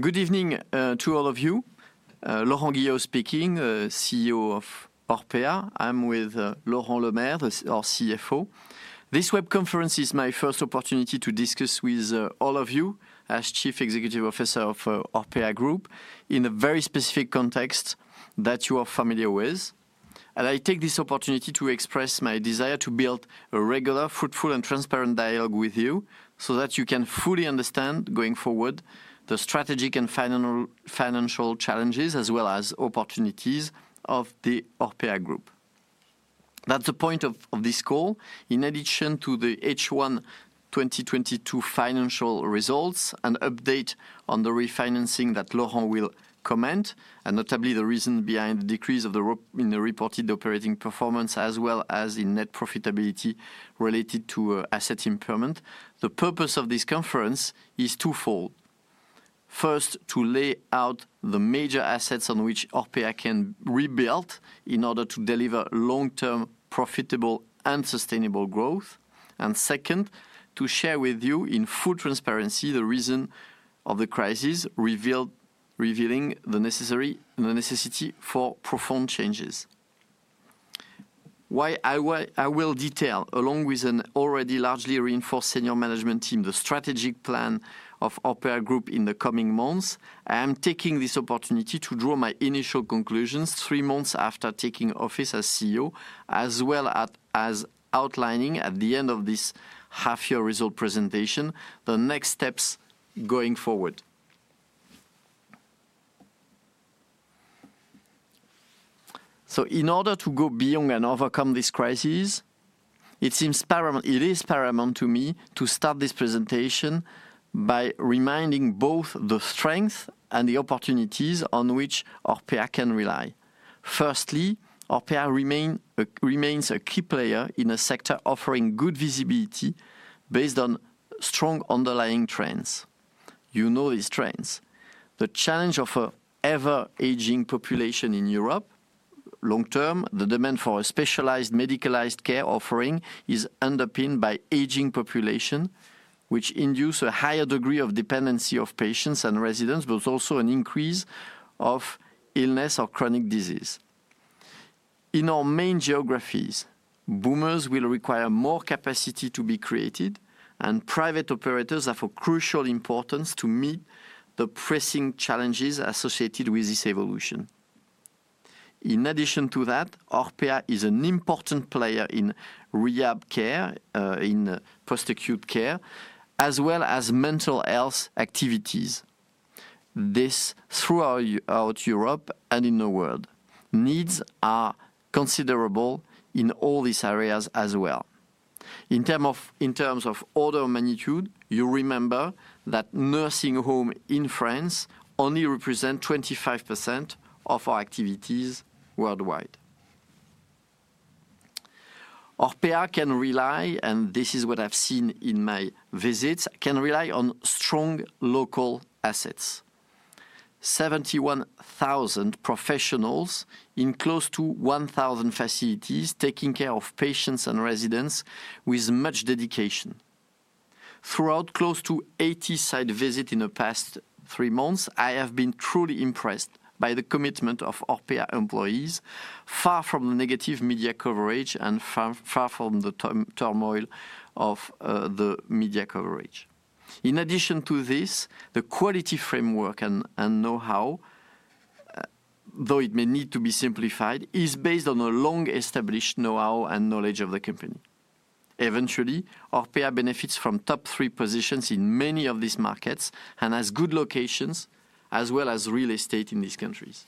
Good evening to all of you. Laurent Guillot speaking, CEO of ORPEA. I'm with Laurent Lemaire, our CFO. This web conference is my first opportunity to discuss with all of you as Chief Executive Officer of ORPEA Group in a very specific context that you are familiar with. I take this opportunity to express my desire to build a regular, fruitful, and transparent dialogue with you so that you can fully understand, going forward, the strategic and financial challenges as well as opportunities of the ORPEA Group. That's the point of this call. In addition to the H1 2022 financial results, an update on the refinancing that Laurent will comment, and notably the reason behind the decrease in the reported operating performance, as well as in net profitability related to asset impairment, the purpose of this conference is twofold. First, to lay out the major assets on which ORPEA can rebuild in order to deliver long-term profitable and sustainable growth. Second, to share with you in full transparency the reason of the crisis, revealing the necessity for profound changes. While I will detail, along with an already largely reinforced senior management team, the strategic plan of ORPEA Group in the coming months, I am taking this opportunity to draw my initial conclusions three months after taking office as CEO, as well as outlining at the end of this half-year results presentation the next steps going forward. In order to go beyond and overcome this crisis, it is paramount to me to start this presentation by reminding both the strength and the opportunities on which ORPEA can rely. Firstly, ORPEA remains a key player in a sector offering good visibility based on strong underlying trends. You know these trends. The challenge of an ever-aging population in Europe. Long term, the demand for a specialized medicalized care offering is underpinned by aging population, which induce a higher degree of dependency of patients and residents, but also an increase of illness or chronic disease. In our main geographies, boomers will require more capacity to be created, and private operators are of a crucial importance to meet the pressing challenges associated with this evolution. In addition to that, ORPEA is an important player in rehab care, in post-acute care, as well as mental health activities. This throughout Europe and in the world. Needs are considerable in all these areas as well. In terms of order of magnitude, you remember that nursing home in France only represent 25% of our activities worldwide. ORPEA can rely, and this is what I've seen in my visits, on strong local assets. 71,000 professionals in close to 1,000 facilities taking care of patients and residents with much dedication. Throughout close to 80 site visits in the past three months, I have been truly impressed by the commitment of ORPEA employees, far from the negative media coverage and far, far from the turmoil of the media coverage. In addition to this, the quality framework and know-how though it may need to be simplified, is based on a long-established know-how and knowledge of the company. Eventually, ORPEA benefits from top three positions in many of these markets and has good locations as well as real estate in these countries.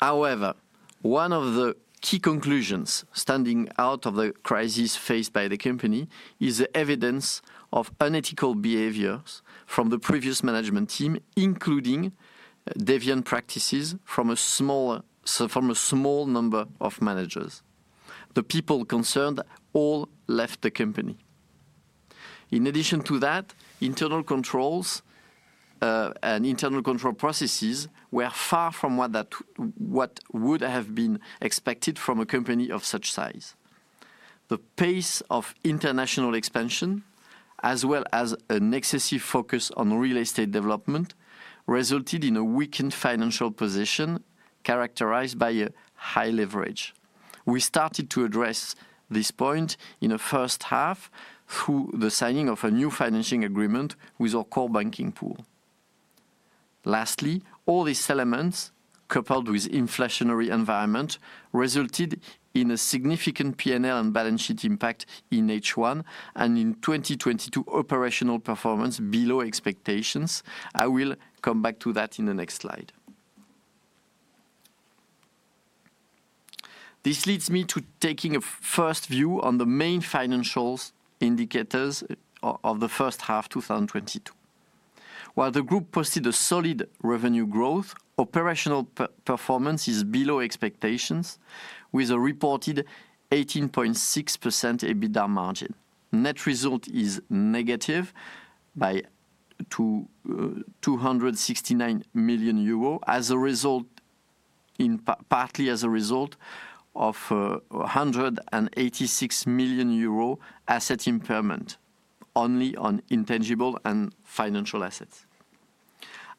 However, one of the key conclusions standing out of the crisis faced by the company is the evidence of unethical behaviors from the previous management team, including deviant practices from a small number of managers. The people concerned all left the company. In addition to that, internal controls and internal control processes were far from what would have been expected from a company of such size. The pace of international expansion, as well as an excessive focus on real estate development, resulted in a weakened financial position characterized by a high leverage. We started to address this point in the first half through the signing of a new financing agreement with our core banking pool. Lastly, all these elements, coupled with inflationary environment, resulted in a significant P&L and balance sheet impact in H1 and in 2022 operational performance below expectations. I will come back to that in the next slide. This leads me to taking a first view on the main financials indicators of the first half 2022. While the group posted a solid revenue growth, operational performance is below expectations, with a reported 18.6% EBITDA margin. Net result is negative by 269 million euro as a result, partly as a result of a 186 million euro asset impairment only on intangible and financial assets.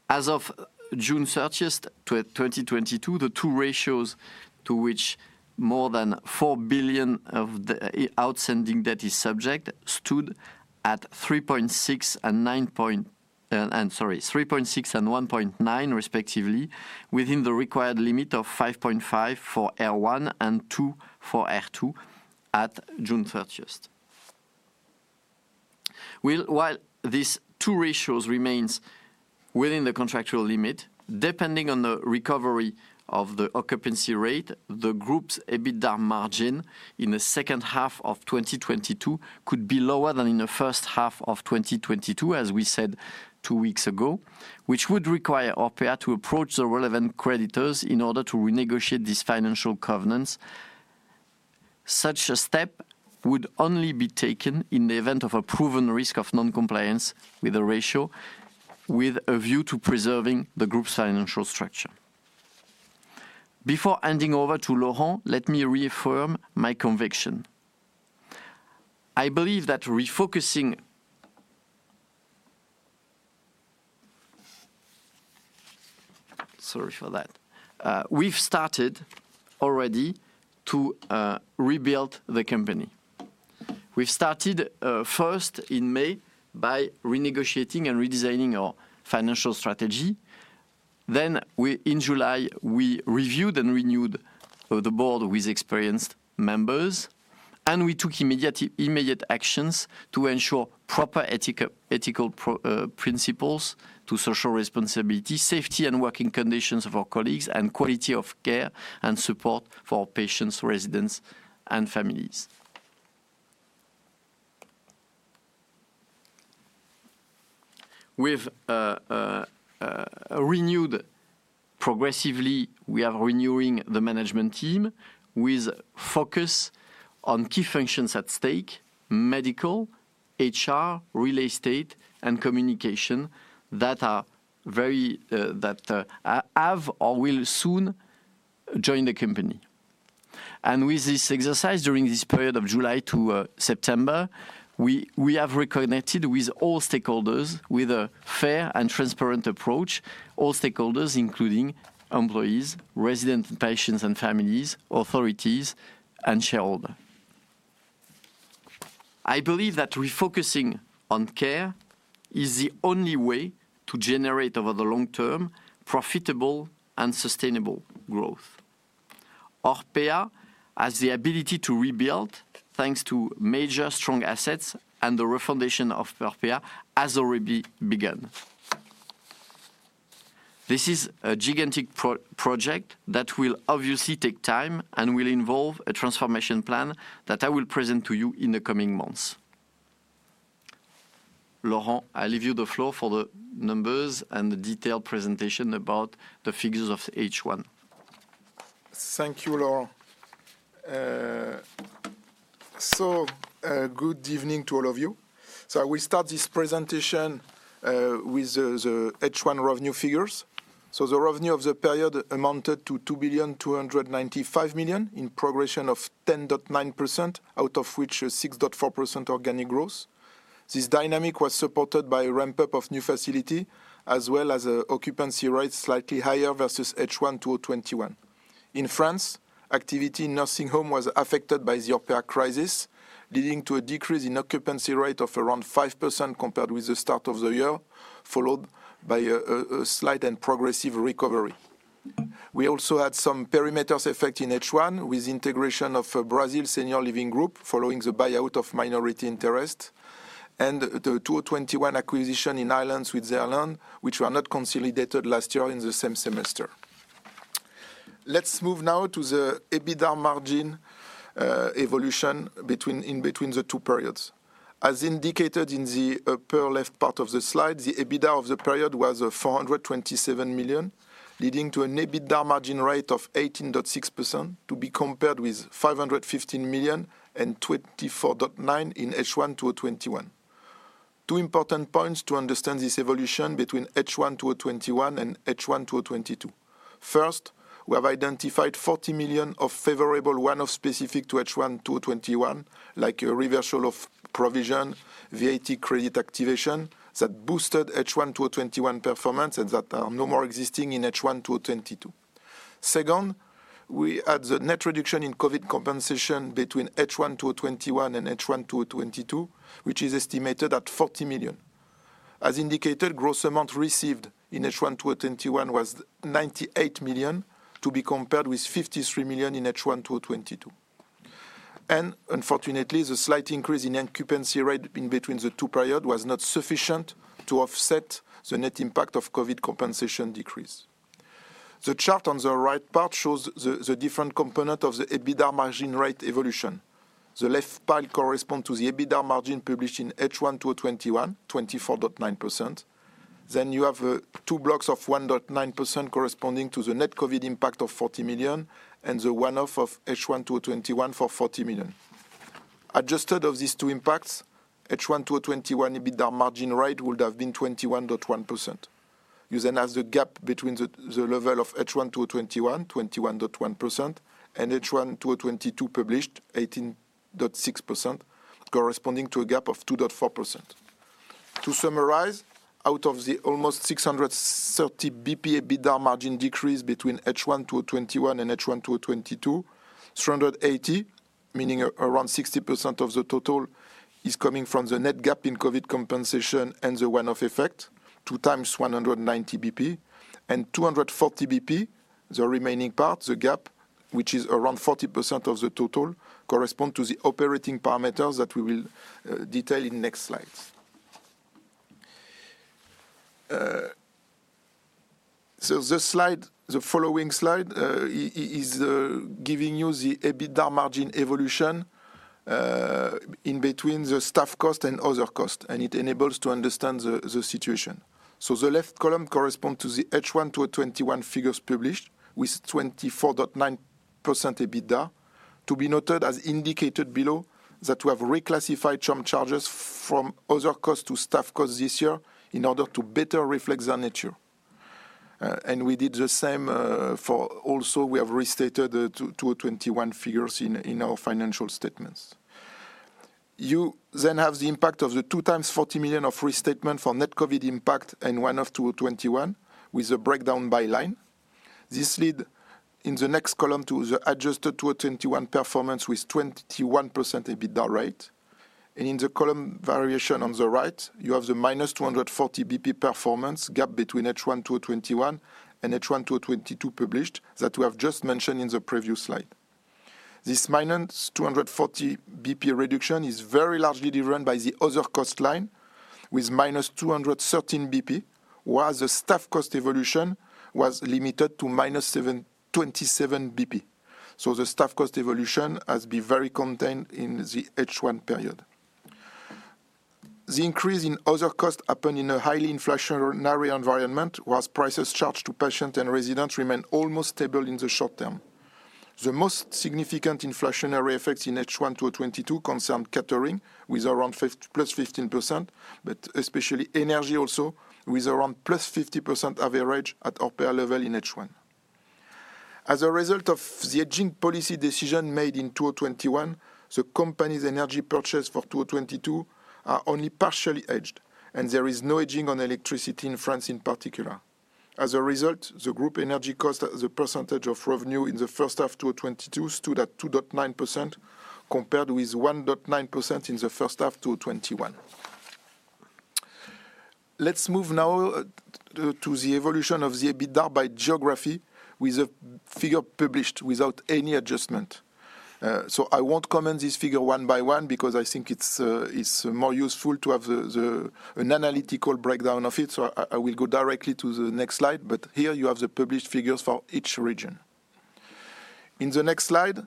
As of June 30th, 2022, the two ratios to which more than 4 billion of the outstanding debt is subject stood at 3.6 and 1.9 respectively, within the required limit of 5.5 for R1 and 2 for R2 at June 30th. While these two ratios remains within the contractual limit, depending on the recovery of the occupancy rate, the group's EBITDA margin in the second half of 2022 could be lower than in the first half of 2022, as we said two weeks ago, which would require ORPEA to approach the relevant creditors in order to renegotiate these financial covenants. Such a step would only be taken in the event of a proven risk of non-compliance with the ratio, with a view to preserving the group's financial structure. Before handing over to Laurent, let me reaffirm my conviction. I believe that refocusing. Sorry for that. We've started already to rebuild the company. We've started first in May by renegotiating and redesigning our financial strategy. In July, we reviewed and renewed the board with experienced members, and we took immediate actions to ensure proper ethical principles of social responsibility, safety and working conditions of our colleagues, and quality of care and support for our patients, residents, and families. We've renewed progressively, we are renewing the management team with focus on key functions at stake, medical, HR, real estate, and communication that have or will soon join the company. With this exercise, during this period of July to September, we have reconnected with all stakeholders with a fair and transparent approach. All stakeholders, including employees, residents, patients and families, authorities, and shareholders. I believe that refocusing on care is the only way to generate, over the long term, profitable and sustainable growth. ORPEA has the ability to rebuild thanks to major strong assets, and the refoundation of ORPEA has already begun. This is a gigantic project that will obviously take time and will involve a transformation plan that I will present to you in the coming months. Laurent, I leave you the floor for the numbers and the detailed presentation about the figures of H1. Thank you, Laurent. Good evening to all of you. We start this presentation with the H1 revenue figures. The revenue of the period amounted to 2,295 million, in progression of 10.9%, out of which is 6.4% organic growth. This dynamic was supported by a ramp-up of new facility as well as an occupancy rate slightly higher versus H1 to 21%. In France, activity in nursing home was affected by the ORPEA crisis, leading to a decrease in occupancy rate of around 5% compared with the start of the year, followed by a slight and progressive recovery. We also had some perimeter effect in H1 with integration of Brazil Senior Living Group following the buyout of minority interest and the 2021 acquisition in Ireland with Zelan, which were not consolidated last year in the same semester. Let's move now to the EBITDA margin evolution between the two periods. As indicated in the upper left part of the slide, the EBITDA of the period was 427 million, leading to an EBITDA margin rate of 18.6% to be compared with 515 million and 24.9% in H1 2021. Two important points to understand this evolution between H1 2021 and H1 2022. First, we have identified 40 million of favorable one-offs specific to H1 2021, like a reversal of provision, VAT credit activation that boosted H1 2021 performance and that are no more existing in H1 2022. Second, we had the net reduction in COVID compensation between H1 2021 and H1 2022, which is estimated at 40 million. As indicated, gross amount received in H1 2021 was 98 million, to be compared with 53 million in H1 2022. Unfortunately, the slight increase in occupancy rate in between the two periods was not sufficient to offset the net impact of COVID compensation decrease. The chart on the right part shows the different component of the EBITDA margin rate evolution. The left bar correspond to the EBITDA margin published in H1 2021, 24.9%. You have two blocks of 1.9% corresponding to the net COVID impact of 40 million, and the one-off of H1 2021 for 40 million. Adjusted for these two impacts, H1 2021 EBITDA margin rate would have been 21.1%. You have the gap between the level of H1 2021, 21.1%, and H1 2022 published 18.6%, corresponding to a gap of 2.4%. To summarize, out of the almost 630 BP EBITDA margin decrease between H1 2021 and H1 2022, 380, meaning around 60% of the total, is coming from the net gap in COVID compensation and the one-off effect, two times 190 BP. 240 BP, the remaining part, the gap, which is around 40% of the total, correspond to the operating parameters that we will detail in next slides. This slide, the following slide, is giving you the EBITDA margin evolution in between the staff cost and other cost, and it enables to understand the situation. The left column correspond to the H1 2021 figures published with 24.9% EBITDA. To be noted, as indicated below, that we have reclassified some charges from other costs to staff costs this year in order to better reflect their nature. We did the same, and also we have restated the 2021 figures in our financial statements. You then have the impact of the 80 million restatement for net COVID impact and in 2021, with the breakdown by line. This leads in the next column to the adjusted 2021 performance with 21% EBITDA rate. In the column variation on the right, you have the -240 BP performance gap between H1 2021 and H1 2022 published that we have just mentioned in the previous slide. This -240 BP reduction is very largely driven by the other cost line with -213 BP, while the staff cost evolution was limited to -27 BP. The staff cost evolution has been very contained in the H1 period. The increase in other costs happened in a highly inflationary environment, while prices charged to patients and residents remained almost stable in the short term. The most significant inflationary effects in H1 2022 concerned catering with around +15%, but especially energy also, with around +50% average at our P&L level in H1. As a result of the hedging policy decision made in 2021, the company's energy purchase for 2022 are only partially hedged, and there is no hedging on electricity in France in particular. As a result, the group energy cost as a percentage of revenue in the first half 2022 stood at 2.9%, compared with 1.9% in the first half 2021. Let's move now to the evolution of the EBITDA by geography with the figure published without any adjustment. I won't comment this figure one by one because I think it's more useful to have an analytical breakdown of it, so I will go directly to the next slide. Here you have the published figures for each region. In the next slide,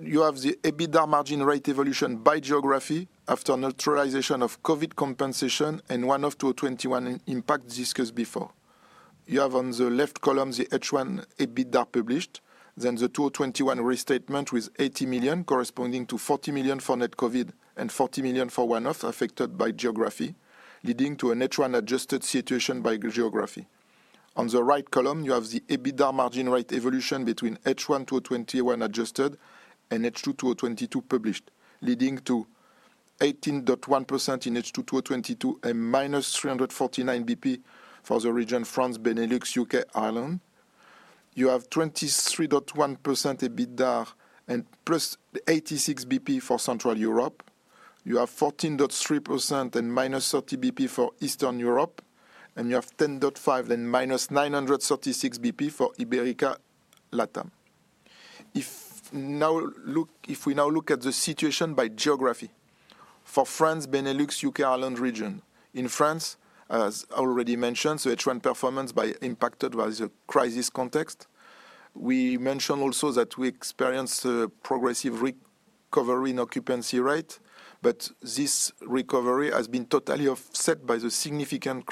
you have the EBITDA margin rate evolution by geography after neutralization of COVID compensation and 2021 impact discussed before. You have on the left column, the H1 EBITDA published, then the 2021 restatement with 80 million corresponding to 40 million for net COVID and 40 million for one-off affected by geography, leading to an H1 adjusted situation by geography. On the right column, you have the EBITDA margin rate evolution between H1 2021 adjusted and H2 2022 published, leading to 18.1% in H2 2022 and -349 BP for the region France, Benelux, UK, Ireland. You have 23.1% EBITDA and +86 BP for Central Europe. You have 14.3% and -30 BP for Eastern Europe, and you have 10.5% and -936 BP for Iberia, LATAM. If we now look at the situation by geography. For France, Benelux, UK, Ireland region. In France, as already mentioned, the H1 performance was impacted by a crisis context. We mentioned also that we experienced a progressive recovery in occupancy rate, but this recovery has been totally offset by the significant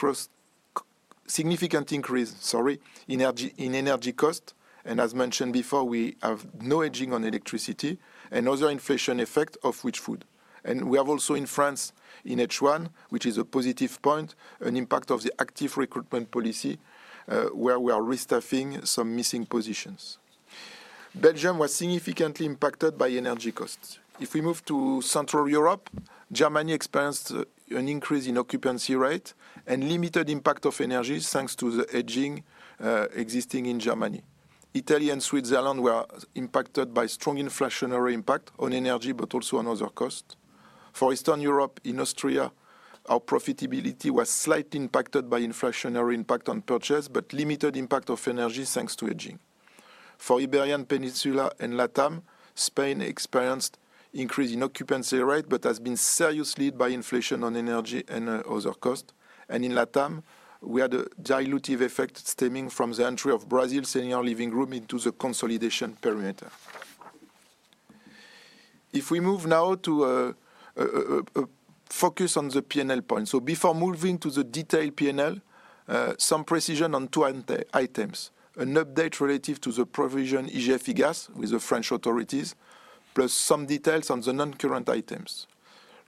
increase, sorry, in energy, in energy cost. As mentioned before, we have no hedging on electricity and other inflation effect of which food. We have also in France, in H1, which is a positive point, an impact of the active recruitment policy, where we are restaffing some missing positions. Belgium was significantly impacted by energy costs. If we move to Central Europe, Germany experienced an increase in occupancy rate and limited impact of energy thanks to the hedging existing in Germany. Italy and Switzerland were impacted by strong inflationary impact on energy, but also on other costs. For Eastern Europe, in Austria, our profitability was slightly impacted by inflationary impact on purchase, but limited impact of energy, thanks to hedging. For Iberian Peninsula and LATAM, Spain experienced increase in occupancy rate, but has been seriously hit by inflation on energy and other costs. In LATAM, we had a dilutive effect stemming from the entry of Brazil Senior Living Group into the consolidation perimeter. If we move now to focus on the P&L point. Before moving to the detailed P&L, some precision on two items. An update relative to the provision IGF-IGAS with the French authorities, plus some details on the non-current items.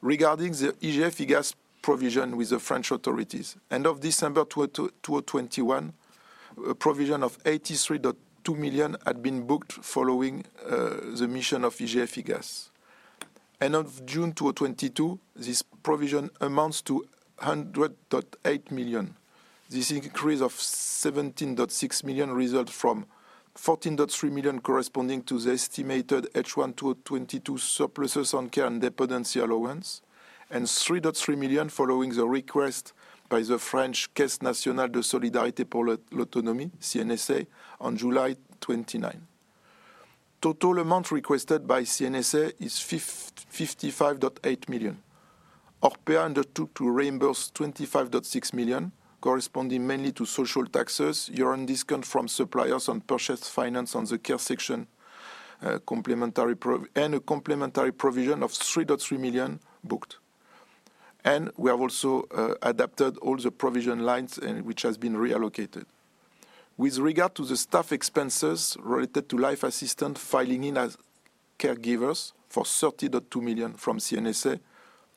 Regarding the IGF-IGAS provision with the French authorities, end of December 2021, a provision of 83.2 million had been booked following the mission of IGF-IGAS. End of June 2022, this provision amounts to 100.8 million. This increase of 17.6 million result from 14.3 million corresponding to the estimated H1 2022 surpluses on care and dependency allowance, and 3.3 million following the request by the French Caisse nationale de solidarité pour l'autonomie, CNSA, on July 29. Total amount requested by CNSA is 55.8 million. ORPEA undertook to reimburse 25.6 million, corresponding mainly to social taxes, year-end discount from suppliers on purchased finance on the care section, and a complementary provision of 3.3 million booked. We have also adapted all the provision lines and which has been reallocated. With regard to the staff expenses related to life assistants filling in as caregivers for 30.2 million from CNSA,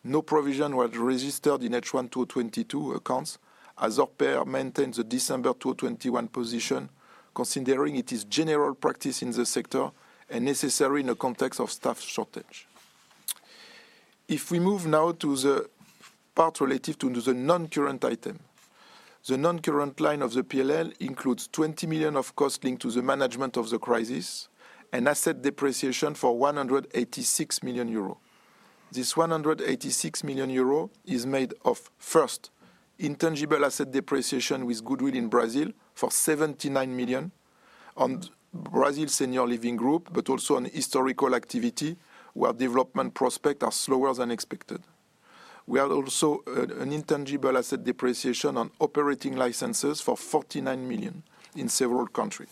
no provision was registered in H1 2022 accounts, as ORPEA maintains a December 2021 position, considering it is general practice in the sector and necessary in the context of staff shortage. If we move now to the part related to the non-current item, the non-current line of the P&L includes 20 million of cost linked to the management of the crisis and asset depreciation for 186 million euros. This 186 million euros is made of, first, intangible asset depreciation with goodwill in Brazil for 79 million on Brazil Senior Living Group, but also on historical activity, where development prospects are slower than expected. We also have an intangible asset depreciation on operating licenses for 49 million in several countries.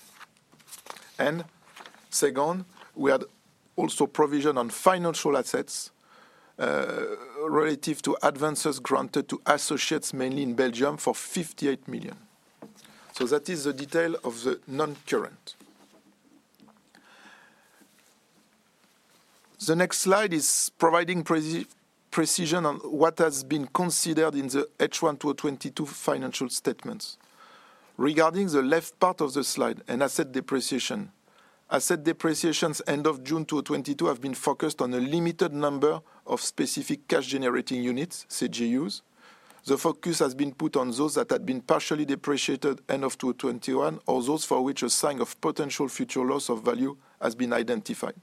Second, we had also provision on financial assets relative to advances granted to associates mainly in Belgium for 58 million. That is the detail of the non-current. The next slide is providing precision on what has been considered in the H1 2022 financial statements. Regarding the left part of the slide, an asset depreciation. Asset depreciations end of June 2022 have been focused on a limited number of specific cash generating units, CGUs. The focus has been put on those that had been partially depreciated end of 2021, or those for which a sign of potential future loss of value has been identified.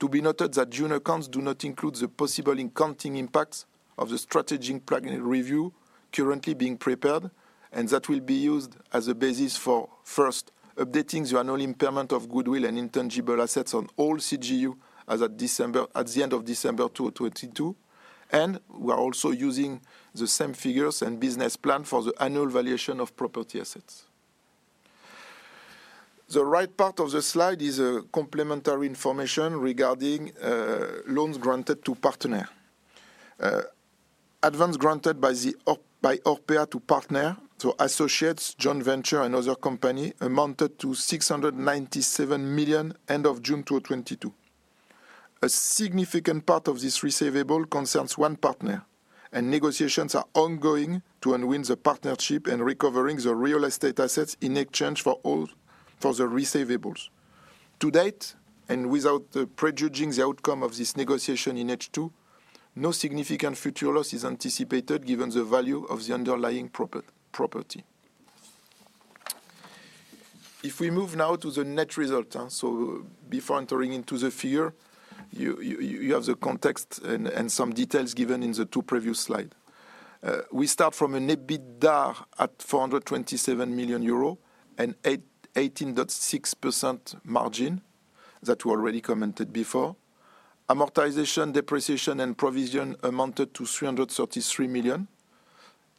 To be noted that June accounts do not include the possible accounting impacts of the strategic planning review currently being prepared, and that will be used as a basis for, first, updating the annual impairment of goodwill and intangible assets on all CGU as of the end of December 2022, and we are also using the same figures and business plan for the annual valuation of property assets. The right part of the slide is a complementary information regarding loans granted to partner. Advance granted by ORPEA to partner, to associates, joint venture, and other company amounted to 697 million end of June 2022. A significant part of this receivable concerns one partner, and negotiations are ongoing to unwind the partnership and recovering the real estate assets in exchange for the receivables. To date, and without prejudging the outcome of this negotiation in H2, no significant future loss is anticipated given the value of the underlying property. If we move now to the net result. Before entering into the figure, you have the context and some details given in the two previous slides. We start from an EBITDA at 427 million euro and 18.6% margin that we already commented before. Amortization, depreciation, and provision amounted to 333 million.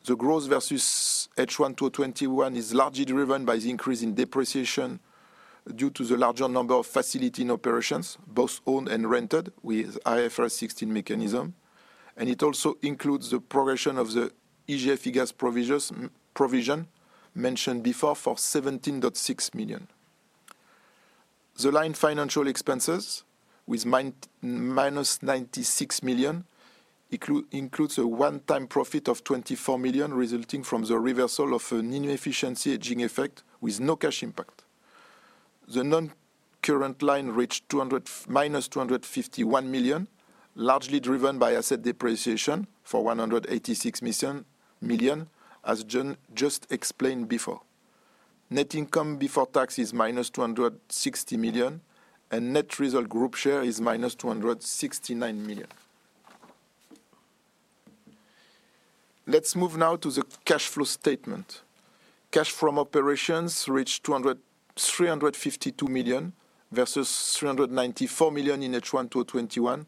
The growth versus H1 2021 is largely driven by the increase in depreciation due to the larger number of facility operations, both owned and rented, with IFRS 16 mechanism. It also includes the progression of the IGF-IGAS provision mentioned before for 17.6 million. The financial expenses line with minus 96 million includes a one-time profit of 24 million resulting from the reversal of an inefficiency hedging effect with no cash impact. The non-current line reached minus 251 million, largely driven by asset depreciation for 186 million, as June just explained before. Net income before tax is minus 260 million, and net result group share is minus 269 million. Let's move now to the cash flow statement. Cash from operations reached 352 million, versus 394 million in H1 2021,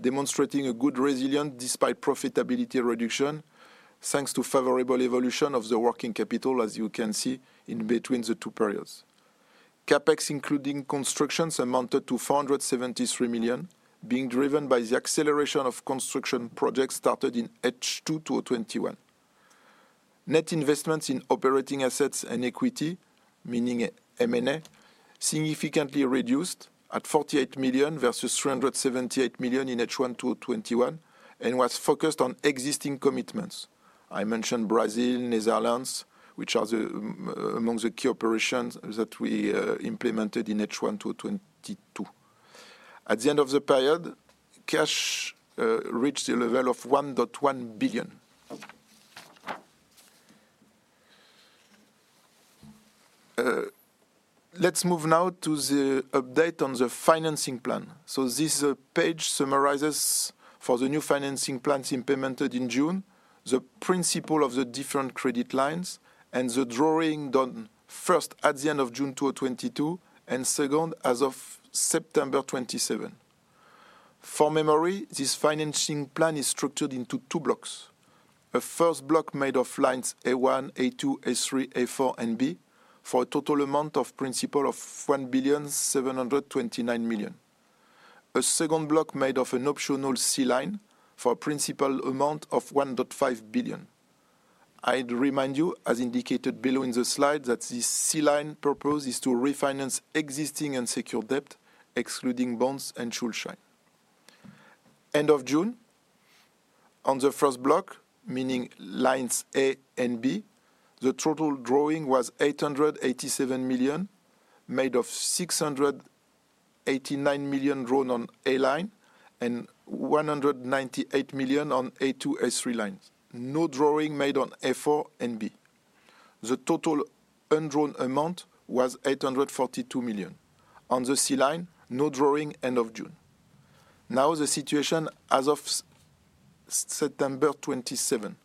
demonstrating a good resilience despite profitability reduction, thanks to favorable evolution of the working capital, as you can see in between the two periods. CapEx, including constructions, amounted to 473 million, being driven by the acceleration of construction projects started in H2 2021. Net investments in operating assets and equity, meaning M&A, significantly reduced at 48 million versus 378 million in H1 2021, and was focused on existing commitments. I mentioned Brazil, Netherlands, which are among the key operations that we implemented in H1 2022. At the end of the period, cash reached a level of 1.1 billion. Let's move now to the update on the financing plan. This page summarizes for the new financing plans implemented in June, the principle of the different credit lines and the drawing done first at the end of June 2022, and second, as of September 27. For memory, this financing plan is structured into two blocks. A first block made of lines A1, A2, A3, A4, and B for a total amount of principal of 1.729 billion. A second block made of an optional C line for a principal amount of 1.5 billion. I'd remind you, as indicated below in the slide, that this C line purpose is to refinance existing and secure debt, excluding bonds and Schuldschein. End of June, on the first block, meaning lines A and B, the total drawing was 887 million, made of 689 million drawn on A line and 198 million on A2, A3 lines. No drawing made on A4 and B. The total undrawn amount was 842 million. On the C line, no drawing end of June. Now the situation as of September 27.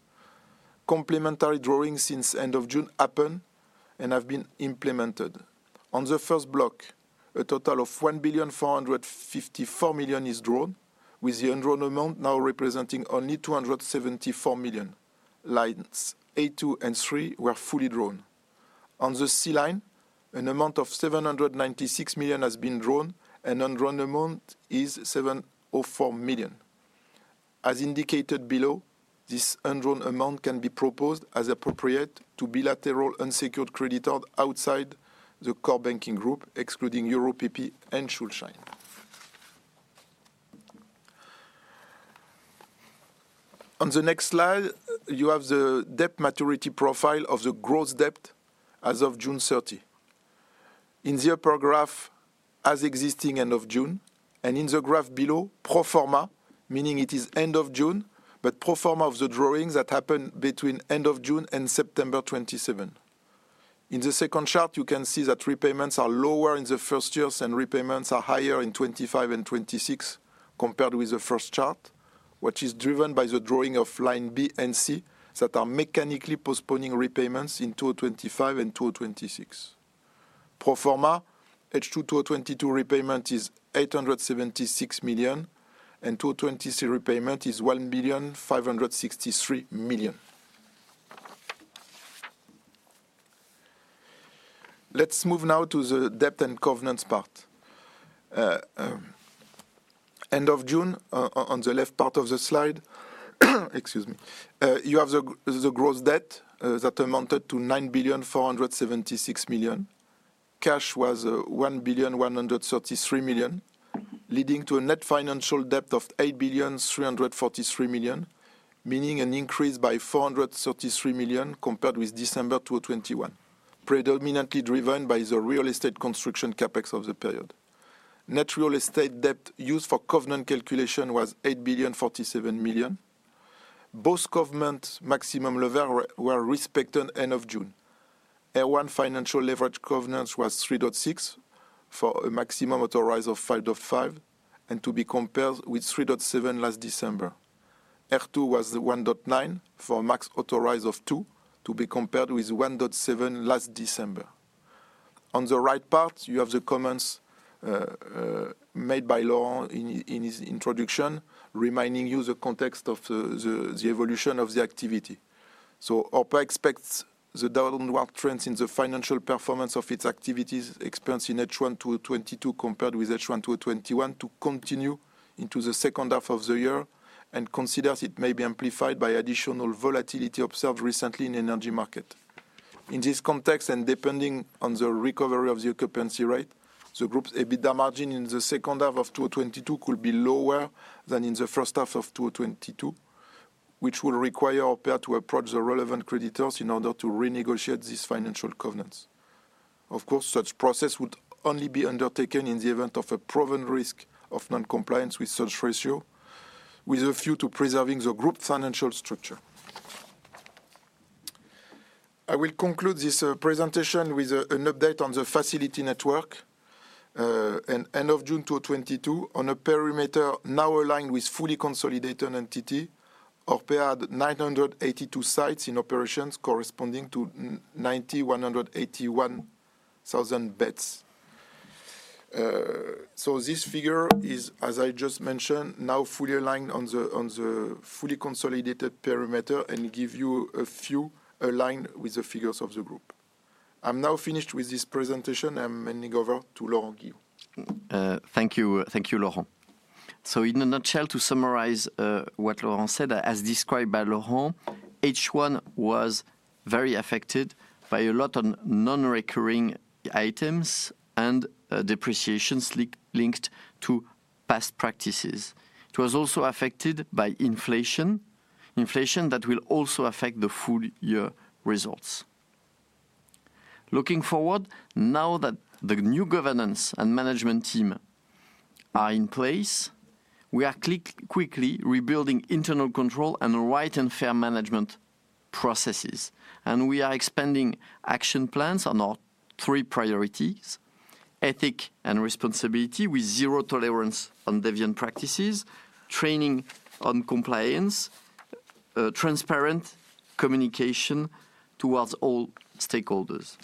Complementary drawings since end of June happened and have been implemented. On the first block, a total of 1,454 million is drawn with the undrawn amount now representing only 274 million. Lines A two and three were fully drawn. On the C line, an amount of 796 million has been drawn, and undrawn amount is 704 million. As indicated below, this undrawn amount can be proposed as appropriate to bilateral unsecured creditors outside the core banking group, excluding Euro PP and Schuldschein. On the next slide, you have the debt maturity profile of the gross debt as of June 30. In the upper graph, as existing end of June, and in the graph below, pro forma, meaning it is end of June, but pro forma of the drawings that happened between end of June and September 27. In the second chart, you can see that repayments are lower in the first years and repayments are higher in 2025 and 2026 compared with the first chart, which is driven by the drawing of line B and C that are mechanically postponing repayments in 2025 and 2026. Pro forma, H2 2022 repayment is 876 million, and 2023 repayment is 1,563 million. Let's move now to the debt and covenants part. End of June, on the left part of the slide, excuse me, you have the gross debt that amounted to 9,476 million. Cash was 1,133 million, leading to a net financial debt of 8,343 million, meaning an increase by 433 million compared with December 2021, predominantly driven by the real estate construction CapEx of the period. Net real estate debt used for covenant calculation was 8,047 million. Both covenant maximum levels were respected at the end of June. R1 financial leverage covenant was 3.6 for a maximum authorized of 5.5, and to be compared with 3.7 last December. R2 was 1.9 for max authorized of 2, to be compared with 1.7 last December. On the right part, you have the comments made by Laurent in his introduction, reminding you of the context of the evolution of the activity. ORPEA expects the downward trends in the financial performance of its activities experienced in H1 2022, compared with H1 2021 to continue into the second half of the year and considers it may be amplified by additional volatility observed recently in energy market. In this context, and depending on the recovery of the occupancy rate, the group's EBITDA margin in the second half of 2022 could be lower than in the first half of 2022, which will require ORPEA to approach the relevant creditors in order to renegotiate these financial covenants. Of course, such process would only be undertaken in the event of a proven risk of non-compliance with such ratio, with a view to preserving the group financial structure. I will conclude this presentation with an update on the facility network. At the end of June 2022, on a perimeter now aligned with fully consolidated entity, ORPEA had 982 sites in operations corresponding to 91,181 beds. So this figure is, as I just mentioned, now fully aligned on the fully consolidated perimeter and gives you a view aligned with the figures of the group. I'm now finished with this presentation. I'm handing over to Laurent Guillot. Thank you. Thank you, Laurent. In a nutshell, to summarize, what Laurent said, as described by Laurent, each one was very affected by a lot of non-recurring items and, depreciations linked to past practices. It was also affected by inflation that will also affect the full year results. Looking forward, now that the new governance and management team are in place, we are quickly rebuilding internal control and the right and fair management processes. We are expanding action plans on our three priorities, ethics and responsibility with zero tolerance on deviant practices, training on compliance, transparent communication towards all stakeholders.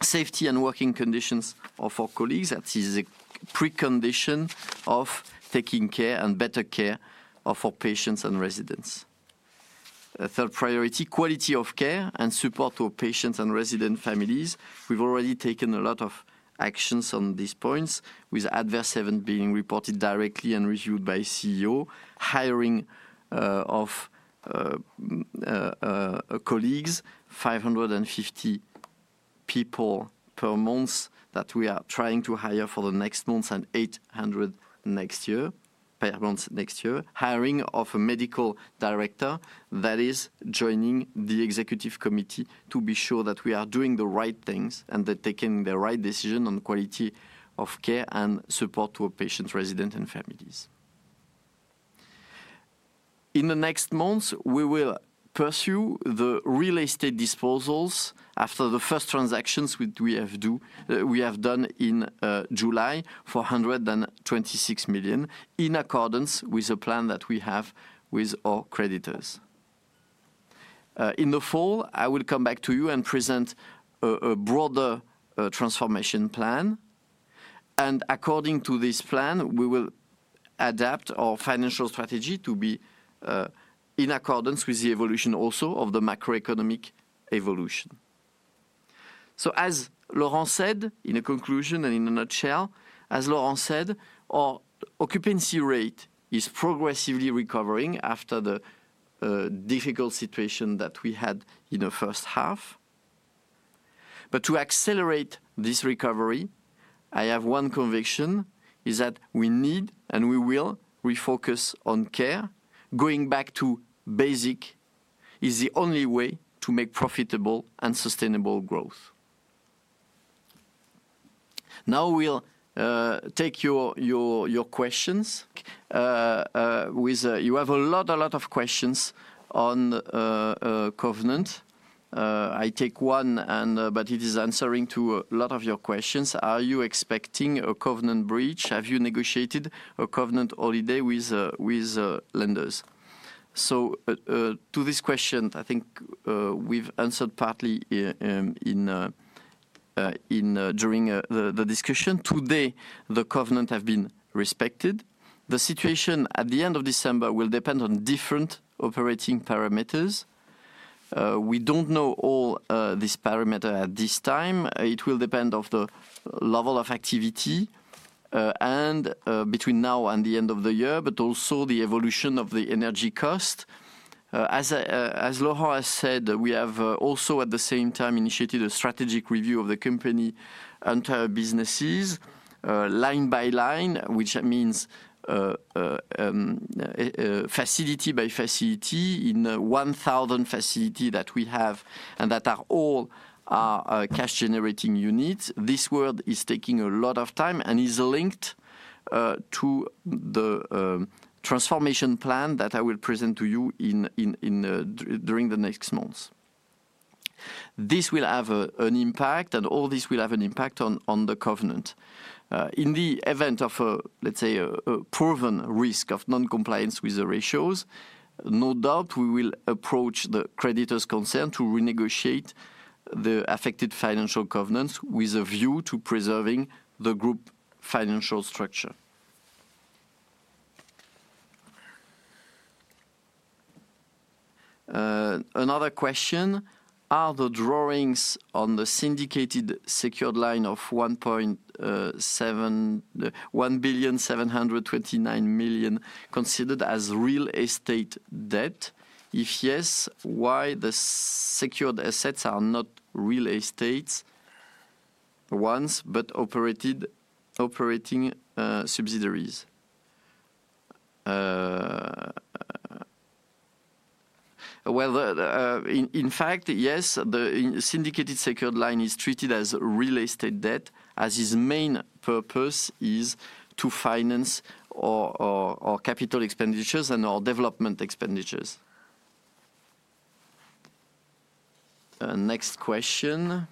Safety and working conditions of our colleagues, that is a precondition of taking care and better care of our patients and residents. A third priority, quality of care and support to our patients and resident families. We've already taken a lot of actions on these points, with adverse event being reported directly and reviewed by CEO, hiring of colleagues, 550 people per month that we are trying to hire for the next month and 800 next year, per month next year. Hiring of a medical director that is joining the executive committee to be sure that we are doing the right things and they're taking the right decision on quality of care and support to our patients, resident, and families. In the next month, we will pursue the real estate disposals after the first transactions which we have done in July, 426 million, in accordance with the plan that we have with our creditors. In the fall, I will come back to you and present a broader transformation plan. According to this plan, we will adapt our financial strategy to be in accordance with the evolution also of the macroeconomic evolution. As Laurent said, in a conclusion and in a nutshell, as Laurent said, our occupancy rate is progressively recovering after the difficult situation that we had in the first half. To accelerate this recovery, I have one conviction, is that we need and we will refocus on care. Going back to basic is the only way to make profitable and sustainable growth. Now we'll take your questions. You have a lot of questions on covenant. I take one and it is answering to a lot of your questions. Are you expecting a covenant breach? Have you negotiated a covenant holiday with lenders? To this question, I think we've answered partly here during the discussion. Today, the covenant have been respected. The situation at the end of December will depend on different operating parameters. We don't know all this parameter at this time. It will depend on the level of activity and between now and the end of the year, but also the evolution of the energy cost. As Laurent has said, we have also at the same time initiated a strategic review of the company entire businesses line by line, which means facility by facility in 1,000 facilities that we have and that are all cash generating units. This work is taking a lot of time and is linked to the transformation plan that I will present to you during the next months. This will have an impact and all this will have an impact on the covenant. In the event of, let's say, a proven risk of non-compliance with the ratios, no doubt we will approach the creditors concerned to renegotiate the affected financial covenants with a view to preserving the group financial structure. Another question, are the drawings on the syndicated secured line of 1,729 million considered as real estate debt? If yes, why the secured assets are not real estate assets, but operating subsidiaries? In fact, yes, the syndicated secured line is treated as real estate debt, as its main purpose is to finance our capital expenditures and our development expenditures. Next question.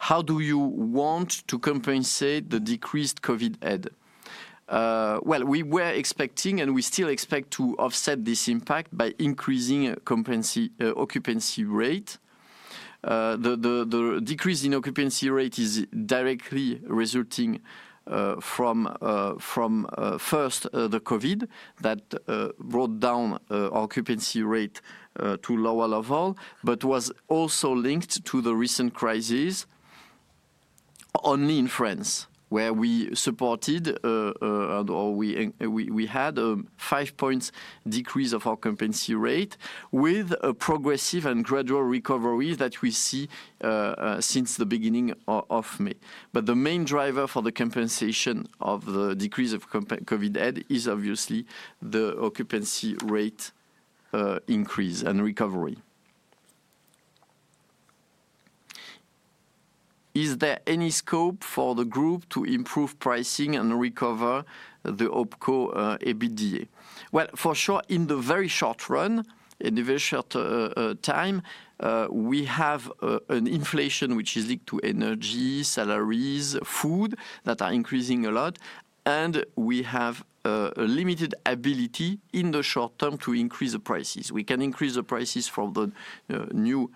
How do you want to compensate the decreased COVID headwind? We were expecting, and we still expect to offset this impact by increasing occupancy rate. The decrease in occupancy rate is directly resulting from first, the COVID that brought down occupancy rate to lower level, but was also linked to the recent crisis only in France, where we had five points decrease of our occupancy rate with a progressive and gradual recovery that we see since the beginning of May. The main driver for the compensation of the decrease of COVID had is obviously the occupancy rate increase and recovery. Is there any scope for the group to improve pricing and recover the OpCo EBITDA? Well, for sure, in the very short run, in the very short time, we have an inflation which is linked to energy, salaries, food that are increasing a lot, and we have a limited ability in the short term to increase the prices. We can increase the prices for the new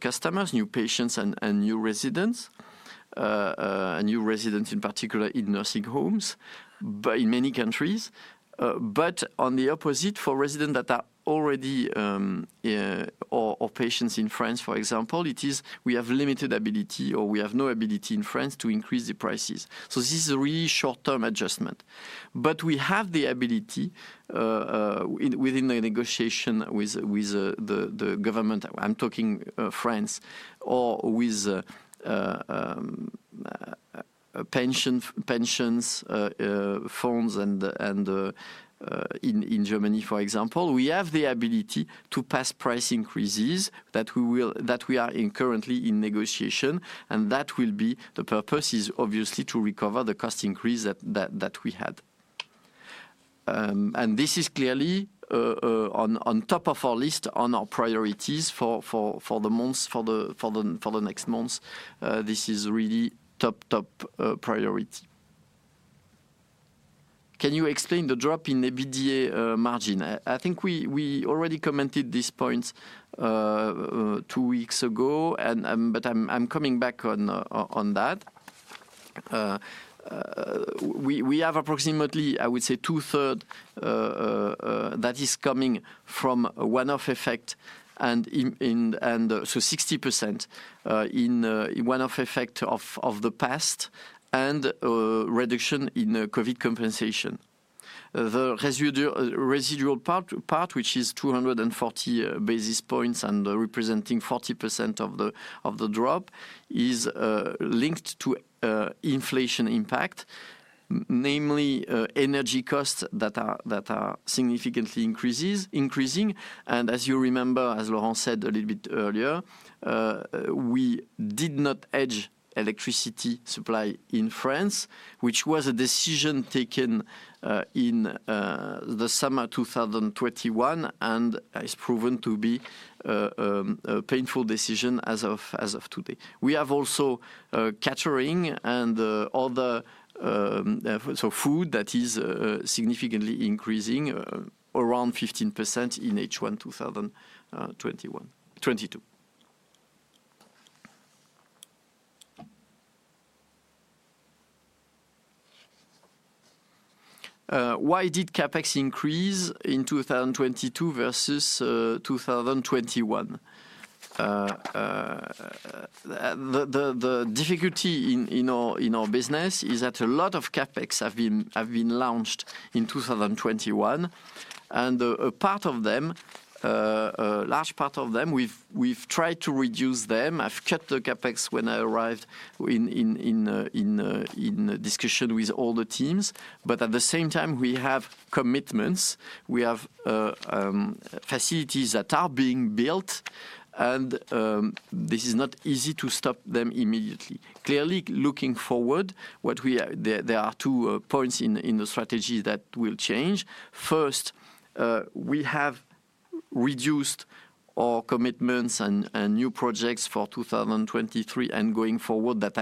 customers, new patients and new residents in particular in nursing homes in many countries. On the opposite, for residents that are already or patients in France, for example, it is we have limited ability or we have no ability in France to increase the prices. This is a really short-term adjustment. We have the ability within the negotiation with the government. I'm talking France or with pension funds and in Germany, for example. We have the ability to pass price increases that we are currently in negotiation, and that will be the purpose is obviously to recover the cost increase that we had. This is clearly on top of our list on our priorities for the next months. This is really top priority. Can you explain the drop in EBITDA margin? I think we already commented these points two weeks ago and but I'm coming back on that. We have approximately, I would say two-thirds that is coming from one-off effect and so 60% in one-off effect of the past and reduction in COVID compensation. The residual part, which is 240 basis points and representing 40% of the drop, is linked to inflation impact, namely energy costs that are significantly increasing. As you remember, as Laurent said a little bit earlier, we did not hedge electricity supply in France, which was a decision taken in the summer 2021, and it's proven to be a painful decision as of today. We have also catering and other so food that is significantly increasing around 15% in H1 2020, 2021, 2022. Why did CapEx increase in 2022 versus 2021? The difficulty in our business is that a lot of CapEx have been launched in 2021, and a part of them, a large part of them, we've tried to reduce them. I've cut the CapEx when I arrived in discussion with all the teams. At the same time, we have commitments. We have facilities that are being built, and this is not easy to stop them immediately. Clearly, looking forward, there are two points in the strategy that will change. First, we have reduced our commitments and new projects for 2023 and going forward that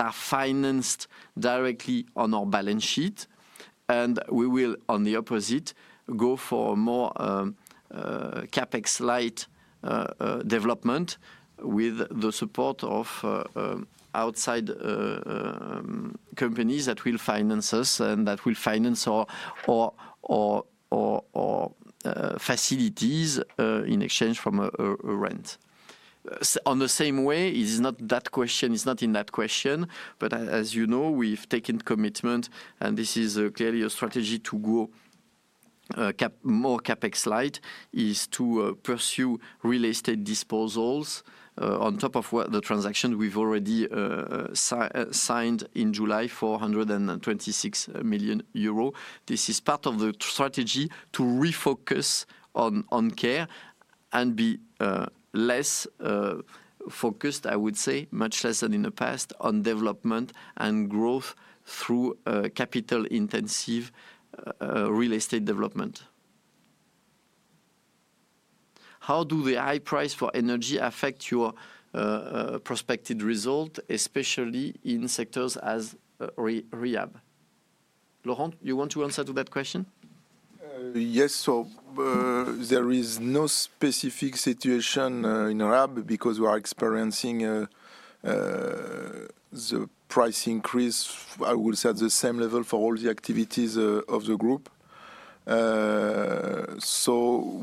are financed directly on our balance sheet. We will, on the opposite, go for more CapEx light development with the support of outside companies that will finance us and that will finance our facilities in exchange for a rent. In the same way, it's not that question, but as you know, we've taken commitment, and this is clearly a strategy to go more CapEx light, is to pursue real estate disposals on top of what the transaction we've already signed in July, 426 million euros. This is part of the strategy to refocus on care and be less focused, I would say, much less than in the past, on development and growth through capital intensive real estate development. How do the high prices for energy affect your projected results, especially in sectors such as rehab? Laurent, you want to answer that question? Yes. There is no specific situation in rehab because we are experiencing the price increase, I will say the same level for all the activities of the group.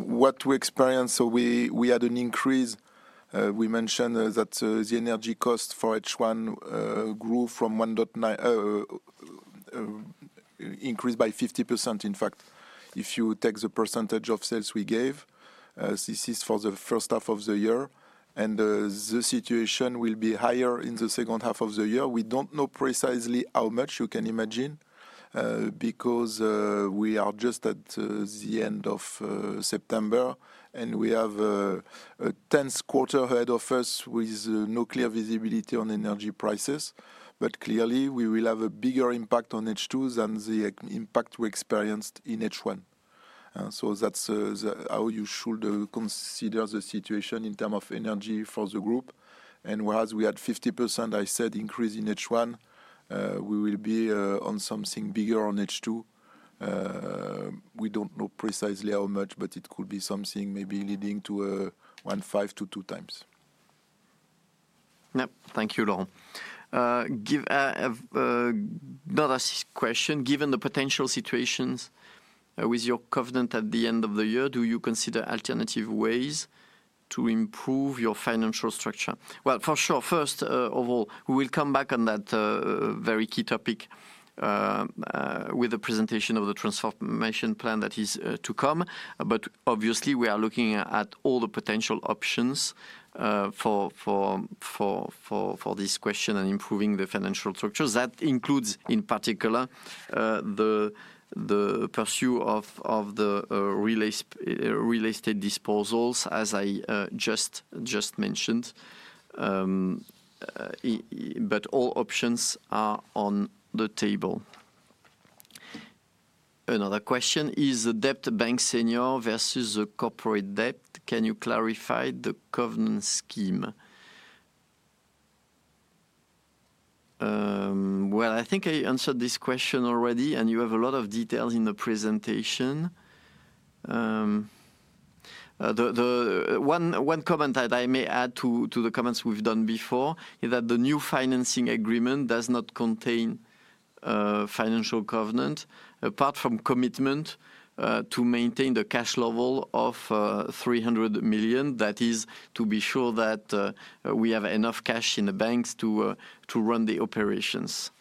What we experienced, we had an increase. We mentioned that the energy cost for H1 increased by 50%, in fact. If you take the percentage of sales we gave, this is for the first half of the year, and the situation will be higher in the second half of the year. We don't know precisely how much you can imagine because we are just at the end of September, and we have the next quarter ahead of us with no clear visibility on energy prices. Clearly we will have a bigger impact on H2 than the impact we experienced in H1. That's how you should consider the situation in terms of energy for the group. Whereas we had 50%, I said, increase in H1, we will be on something bigger on H2. We don't know precisely how much, but it could be something maybe leading to 1.5-2 times. Yep. Thank you, Laurent. Another question. Given the potential situations with your covenant at the end of the year, do you consider alternative ways to improve your financial structure? Well, for sure, first of all, we will come back on that very key topic with the presentation of the transformation plan that is to come. Obviously we are looking at all the potential options for this question and improving the financial structures. That includes, in particular, the pursuit of the real estate disposals, as I just mentioned, but all options are on the table. Another question, is the bank debt senior versus the corporate debt? Can you clarify the covenant scheme? Well, I think I answered this question already, and you have a lot of details in the presentation. One comment that I may add to the comments we've done before is that the new financing agreement does not contain financial covenant, apart from commitment to maintain the cash level of 300 million, that is to be sure that we have enough cash in the banks to run the operations.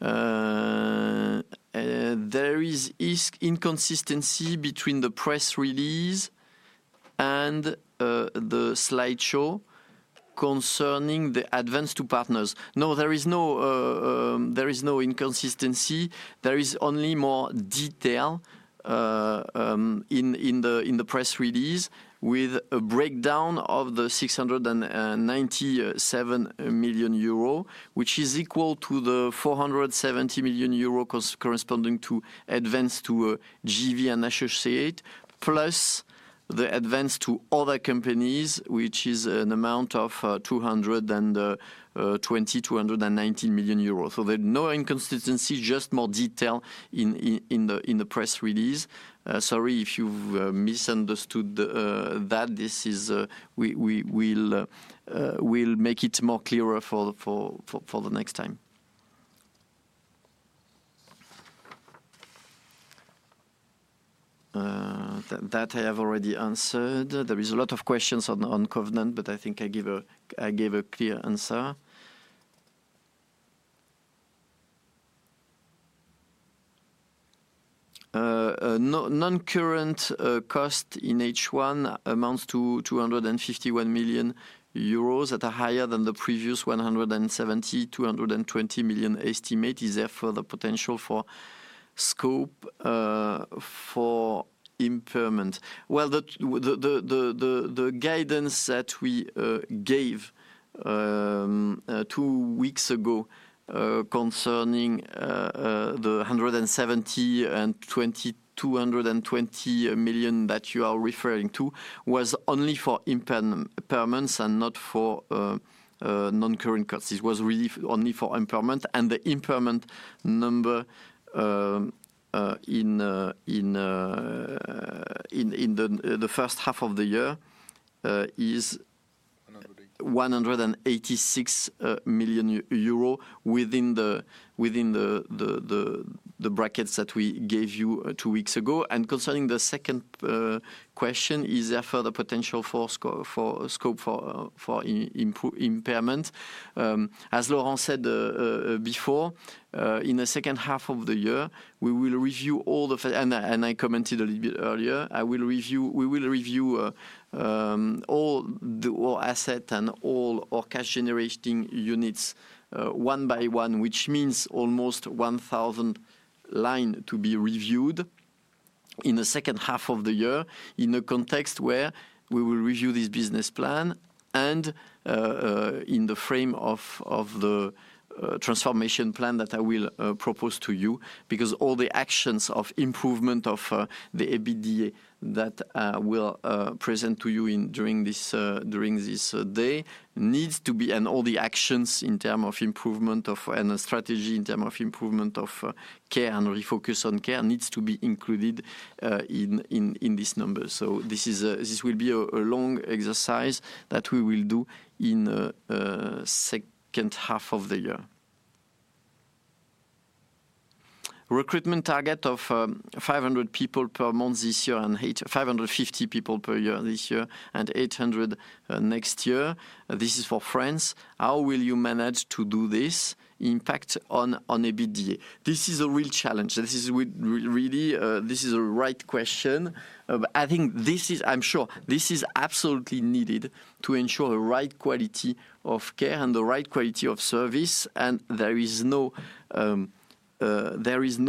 There is inconsistency between the press release and the slideshow concerning the advance to partners. No, there is no inconsistency. There is only more detail in the press release with a breakdown of the 697 million euro, which is equal to the 470 million euro corresponding to advance to JV and Associates, plus the advance to other companies, which is an amount of 227 million euros. There's no inconsistency, just more detail in the press release. Sorry if you've misunderstood that. We'll make it more clearer for the next time. That I have already answered. There is a lot of questions on covenant, but I think I gave a clear answer. Non-current cost in H1 amounts to 251 million euros that are higher than the previous 170-220 million estimate. Is there further potential for scope for impairment? Well, the guidance that we gave two weeks ago concerning the 170-220 million that you are referring to was only for impairments and not for non-current costs. It was really only for impairment. The impairment number in the first half of the year is EUR 186 million within the brackets that we gave you two weeks ago. Concerning the second question, is there further potential for scope for impairment? As Laurent said before, in the second half of the year, we will review all the and I commented a little bit earlier, we will review all the assets and all our cash-generating units one by one, which means almost 1,000 lines to be reviewed. In the second half of the year, in a context where we will review this business plan and in the frame of the transformation plan that I will propose to you. Because all the actions of improvement of the EBITDA that we'll present to you during this day needs to be... All the actions in terms of improvement of and the strategy in terms of improvement of care and refocus on care needs to be included in these numbers. This will be a long exercise that we will do in the second half of the year. Recruitment target of 500 people per month this year and 550 people per year this year, and 800 next year. This is for France. How will you manage the impact on EBITDA? This is a real challenge. This is really a right question. I think I'm sure this is absolutely needed to ensure the right quality of care and the right quality of service, and there is no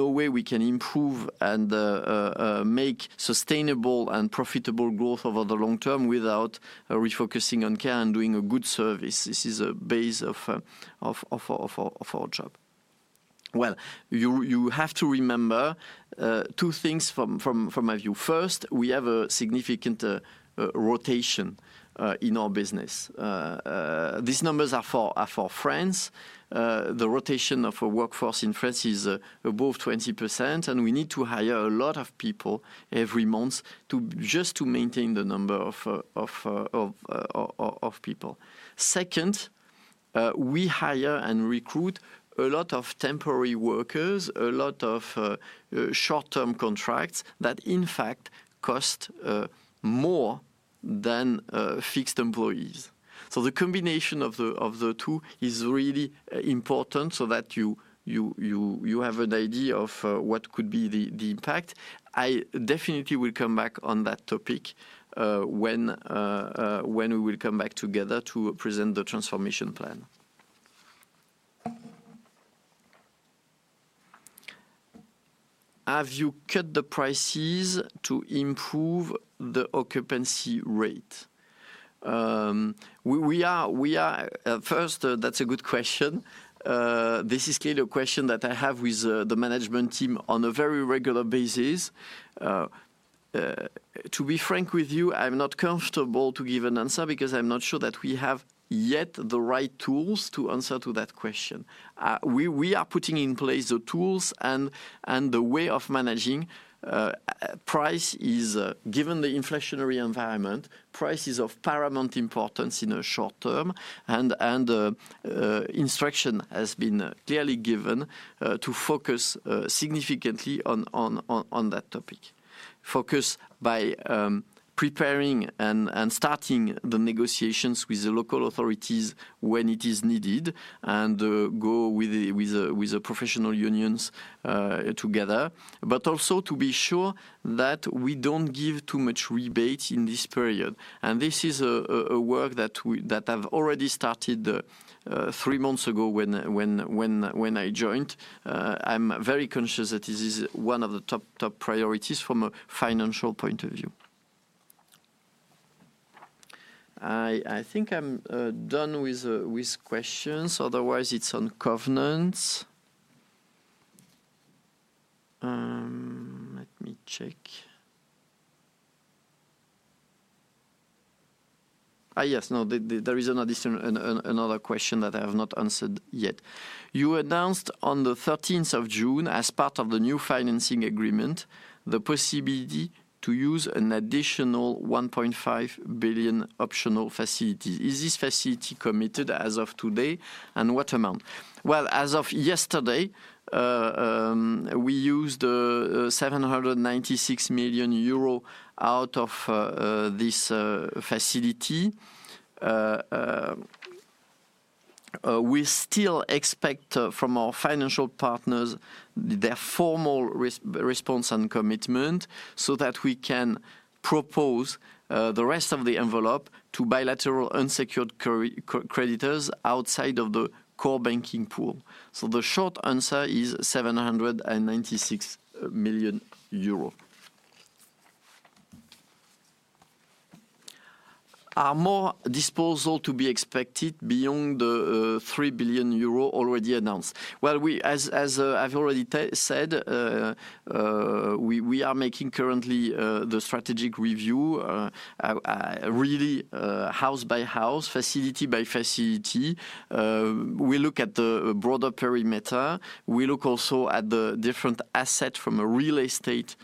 way we can improve and make sustainable and profitable growth over the long term without refocusing on care and doing a good service. This is a base of our job. Well, you have to remember two things from my view. First, we have a significant rotation in our business. These numbers are for France. The rotation of a workforce in France is above 20%, and we need to hire a lot of people every month to just maintain the number of people. Second, we hire and recruit a lot of temporary workers, a lot of short-term contracts that in fact cost more than fixed employees. The combination of the two is really important so that you have an idea of what could be the impact. I definitely will come back on that topic when we will come back together to present the transformation plan. Have you cut the prices to improve the occupancy rate? First, that's a good question. This is clearly a question that I have with the management team on a very regular basis. To be frank with you, I'm not comfortable to give an answer because I'm not sure that we have yet the right tools to answer to that question. We are putting in place the tools and the way of managing. Price is, given the inflationary environment, price is of paramount importance in the short term. Instruction has been clearly given to focus significantly on that topic. Focus by preparing and starting the negotiations with the local authorities when it is needed and go with the professional unions together. Also to be sure that we don't give too much rebate in this period. This is a work that I've already started three months ago when I joined. I'm very conscious that this is one of the top priorities from a financial point of view. I think I'm done with questions. Otherwise it's on governance. Let me check. Yes. No, there is another question that I have not answered yet. You announced on the thirteenth of June, as part of the new financing agreement, the possibility to use an additional 1.5 billion optional facility. Is this facility committed as of today, and what amount? Well, as of yesterday, we used 796 million euro out of this facility. We still expect from our financial partners their formal response and commitment so that we can propose the rest of the envelope to bilateral unsecured creditors outside of the core banking pool. So the short answer is 796 million euro. Are more disposals to be expected beyond the 3 billion euro already announced? As I've already said, we are making currently the strategic review really house by house, facility by facility. We look at the broader perimeter. We look also at the different asset from a real estate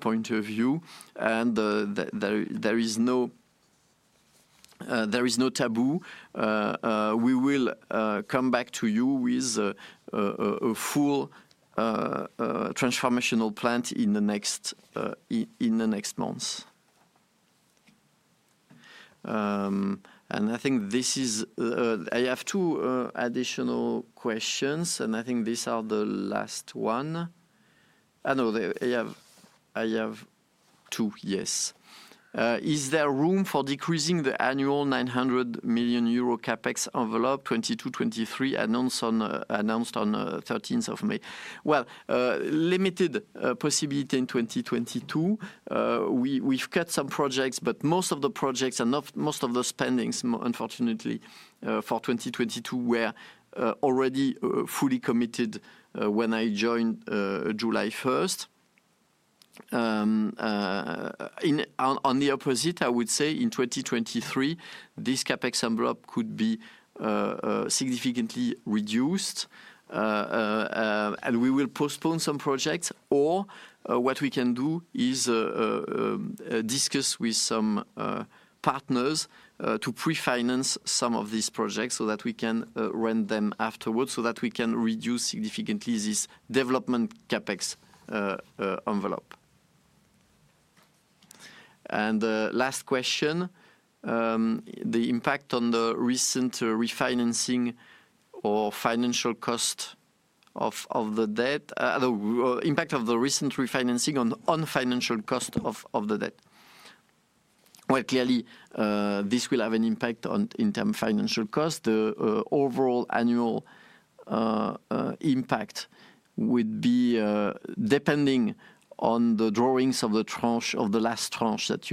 point of view. There is no taboo. We will come back to you with a full transformational plan in the next months. I think this is. I have two additional questions, and I think these are the last one. No. I have two, yes. Is there room for decreasing the annual 900 million euro CapEx envelope 2022, 2023 announced on thirteenth of May? Well, limited possibility in 2022. We've cut some projects, but most of the projects and of most of the spendings unfortunately for 2022 were already fully committed when I joined July 1st. On the opposite, I would say in 2023, this CapEx envelope could be significantly reduced. We will postpone some projects or what we can do is discuss with some partners to pre-finance some of these projects so that we can run them afterwards so that we can reduce significantly this development CapEx envelope. Last question, the impact of the recent refinancing on the financial cost of the debt. Well, clearly, this will have an impact on interim financial cost. The overall annual impact would be depending on the drawings of the tranche, of the last tranche that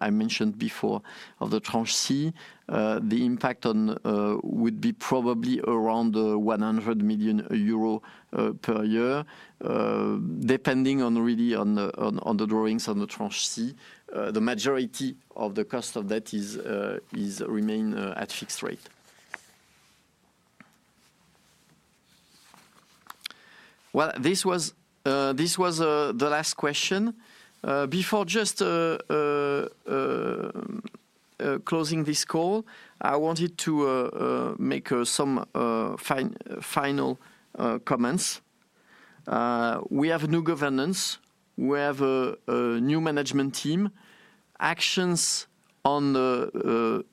I mentioned before of the Tranche C. The impact would be probably around 100 million euro per year, depending really on the drawings on the Tranche C. The majority of the cost of that is remains at fixed rate. Well, this was the last question. Before just closing this call, I wanted to make some final comments. We have new governance. We have a new management team. Actions on the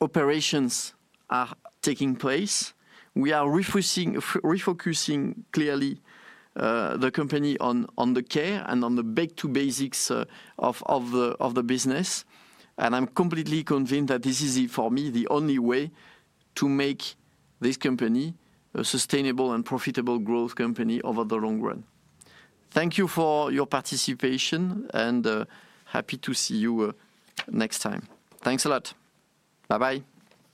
operations are taking place. We are refocusing, clearly, the company on the care and on the back to basics of the business. I'm completely convinced that this is, for me, the only way to make this company a sustainable and profitable growth company over the long run. Thank you for your participation and happy to see you next time. Thanks a lot. Bye-bye.